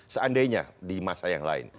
seandainya di masa yang lain